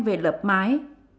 về lập mái